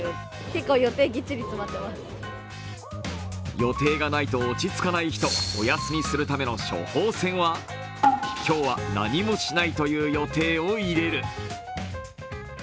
予定がないと落ち着かない人、お休みするための処方箋は今日は何もしないという予定を入れる。